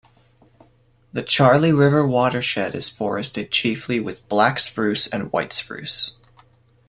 The Charley River watershed is forested chiefly with black spruce and white spruce.